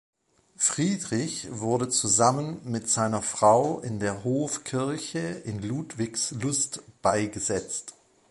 Friedrich wurde zusammen mit seiner Frau in der Hofkirche in Ludwigslust beigesetzt.